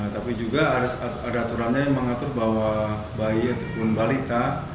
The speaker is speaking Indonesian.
tapi juga ada aturannya yang mengatur bahwa bayi ataupun balita